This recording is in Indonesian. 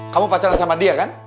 kamu pacaran sama dia kan